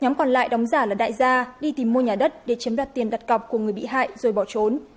nhóm còn lại đóng giả là đại gia đi tìm mua nhà đất để chiếm đoạt tiền đặt cọc của người bị hại rồi bỏ trốn